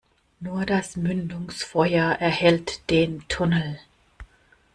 Nur das Mündungsfeuer erhellt den Tunnel.